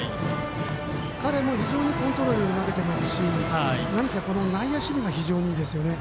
彼も非常にコントロールよく投げてますし、内野守備が非常にいいですね。